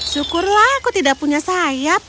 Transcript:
syukurlah aku tidak punya sayap